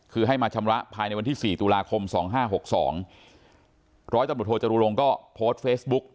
คือให้มาชำระภายในวันที่สี่ตุลาคมสองห้าหกสองร้อยตำรวจโทจรุลงก็โพสต์เฟซบุ๊ก